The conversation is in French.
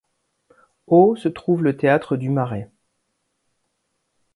Au se trouve le théâtre du Marais.